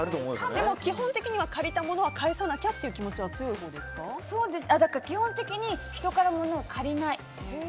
でも基本的に借りたものは返さなきゃっていう気持ちは基本的に人からものを借りない。